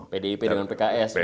pdip dengan pks